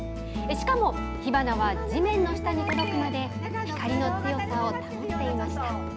しかも、火花は地面の下に届くまで、光の強さを保っていました。